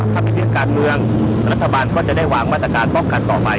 ถ้าเป็นเรื่องการเมืองรัฐบาลก็จะได้วางมาตรการป้องกันต่อไป